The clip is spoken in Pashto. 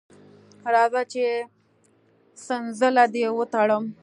راځه چې څنځله دې وتړم.